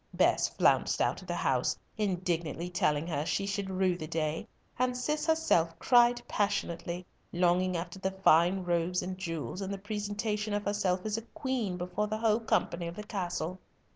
Bess flounced out of the house, indignantly telling her she should rue the day, and Cis herself cried passionately, longing after the fine robes and jewels, and the presentation of herself as a queen before the whole company of the castle.